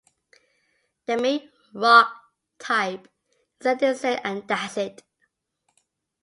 The main rock type is andesite and dacite.